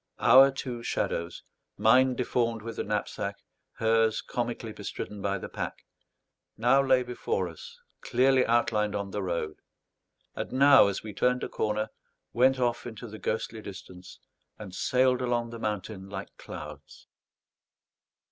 Our two shadows mine deformed with the knapsack, hers comically bestridden by the pack now lay before us clearly outlined on the road, and now, as we turned a corner, went off into the ghostly distance, and sailed along the mountain like clouds.